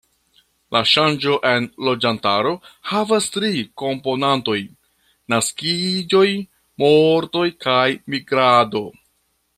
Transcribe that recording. La ŝanĝo en loĝantaro havas tri komponantojn: naskiĝoj, mortoj kaj migrado.